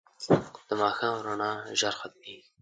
د ماښام رڼا ژر ختمېږي